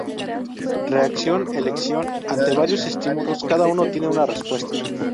Reacción elección: ante varios estímulos cada uno tiene su respuesta.